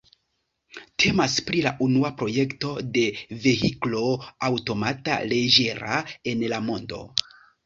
Temas pri la unua projekto de vehiklo aŭtomata leĝera en la mondo.